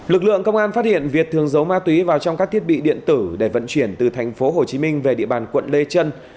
lực lượng công an phát hiện việt thường giấu ma túy vào trong các thiết bị điện tử để vận chuyển từ tp hcm về địa bàn quận lê trân